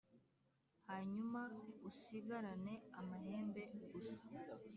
hanyuma usigarane amahembe gusa.